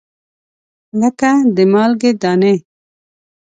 لګه د مالګې دانې